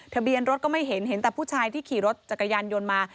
ทะเบียนรถก็ไม่เห็นเห็นแต่ผู้ชายที่ขี่รถจักรยานยนต์มา